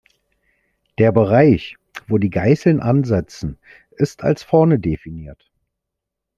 Der Bereich, wo die Geißeln ansetzen, ist als vorne definiert.